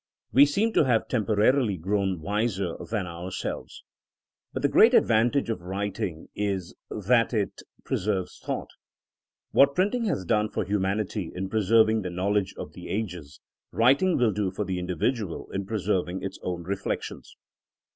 We seem to have temporarily grown wiser than ourselves. But the great advantage of writing is that it 191 192 THINKINO AS A SCIENCE preserves thought. What printing has done for humanity in preserving the knowledge of the ages, writing will do for the individual in pre serving his own reflections.